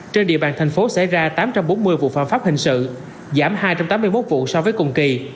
trên địa bàn thành phố xảy ra tám trăm bốn mươi vụ phạm pháp hình sự giảm hai trăm tám mươi một vụ so với cùng kỳ